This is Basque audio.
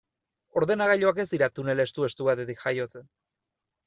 Ordenagailuak ez dira tunel estu-estu batetik jaiotzen.